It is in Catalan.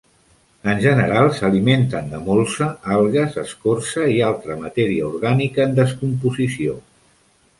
En general, s'alimenten de molsa, algues, escorça i altra matèria orgànica en descomposició.